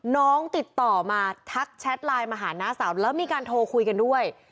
น้องติดต่อมาทักแชทไลน์มาหาน้าสาวแล้วมีการโทรคุยกันด้วย